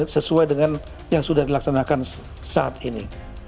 sesuai dengan yang sudah dilaksanakan saat ini